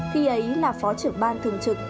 khi ấy là phó trưởng ban thường trực